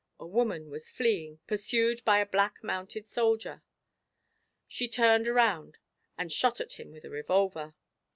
A woman was fleeing, pursued by a black mounted soldier. She turned around and shot at him with a revolver.